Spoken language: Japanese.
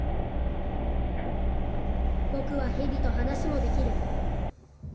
僕はヘビと話もできる